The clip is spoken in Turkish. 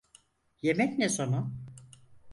Yemek ne zaman?